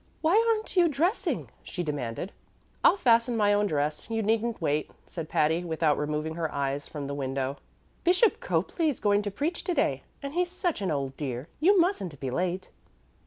"Why aren't you dressing?" she demanded. "I'll fasten my own dress; you needn't wait," said Patty, without removing her eyes from the window. "Bishop Copeley's going to preach to day, and he's such an old dear; you mustn't be late."